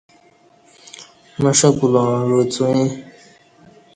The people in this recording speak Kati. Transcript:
مݜہ کولاں عو څوئیں